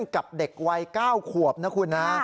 กับเด็กวัย๙ขวบนะคุณนะ